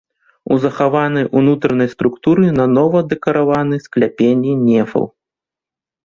У захаванай унутранай структуры нанова дэкараваны скляпенні нефаў.